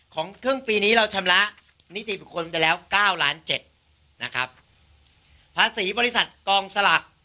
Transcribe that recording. ของครึ่งปีนี้เราชำระนิติบุคคลไปแล้วเก้าล้านเจ็ดนะครับภาษีบริษัทกองสลาก